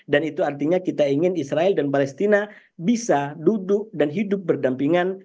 dan itu artinya kita ingin israel dan palestina bisa duduk dan hidup berdampingan